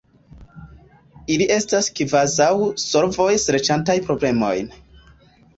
Ili estas kvazaŭ solvoj serĉantaj problemojn.